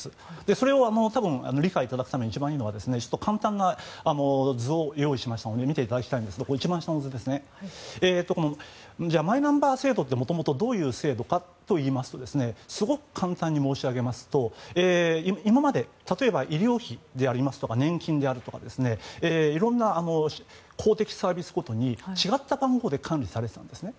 それを理解していただくために一番いいのが簡単な図を用意しましたので見ていただきたいんですがマイナンバー制度ってもともとどういう制度かというとすごく簡単に申し上げますと今まで例えば医療費であるとか年金であるとかいろんな公的サービスごとに違った番号で管理されてたんですね。